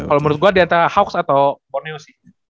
kalau menurut gue diantara hawks atau borneo sih